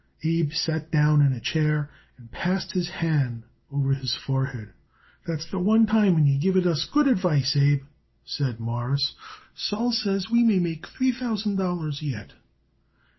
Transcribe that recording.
Abe sat down in a chair and passed his hand over his forehead. "That's the one time when you give it us good advice, Abe," said Morris. "Sol says we may make it three thousand dollars yet."